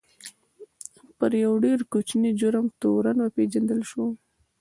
پر یوه ډېر کوچني جرم تورن وپېژندل شو.